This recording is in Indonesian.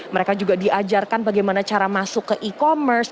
mereka juga diajarkan bagaimana cara masuk ke e commerce